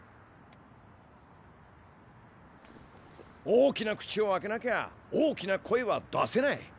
大きな口を開けなきゃ大きな声は出せない。